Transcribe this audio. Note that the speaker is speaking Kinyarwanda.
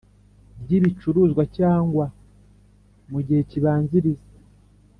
ry ibicuruzwa cyangwa mu gihe kibanziriza